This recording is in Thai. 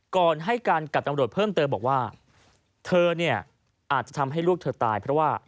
ก่อนให้การกับตำรวจเพิ่มเติมบอกว่าเธอเนี่ยอาจจะทำให้ลูกเธอตายเพราะว่า